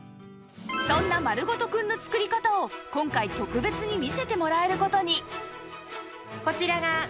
そんなまるごとくんの作り方を今回特別に見せてもらえる事に